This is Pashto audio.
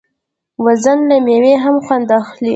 وزې له مېوې هم خوند اخلي